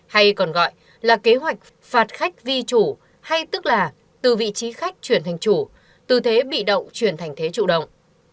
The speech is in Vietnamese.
hay còn gọi là kế hoạch phạt khách vi chủ hay tức là từ vị trí khách chuyển thành chủ tư thế bị động chuyển thành thế chủ động